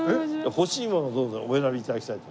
欲しいものどうぞお選び頂きたいと。